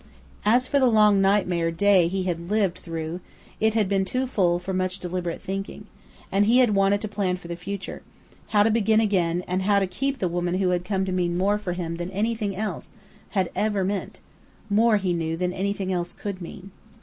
As for the long nightmare day he had lived through, it had been too full for much deliberate thinking; and he wanted to plan for the future: how to begin again, and how to keep the woman who had come to mean more for him than anything else had ever meant more, he knew, than anything else could mean.